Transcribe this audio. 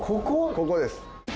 ここです。